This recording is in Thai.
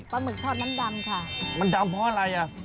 หมึกทอดน้ำดำค่ะมันดำเพราะอะไรอ่ะ